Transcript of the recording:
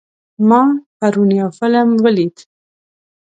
ما پرون یو فلم ولید.